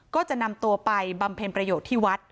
ก็จะนำตัวไปบำเพ็ญประโยชน์ที่วัด